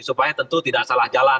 supaya tentu tidak salah jalan